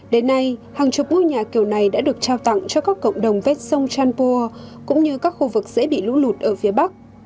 đến nay hàng chục ngôi nhà kiểu này đã được trao tặng cho các cộng đồng vét sông chanpur cũng như các khu vực dễ bị lũ lụt ở phía bắc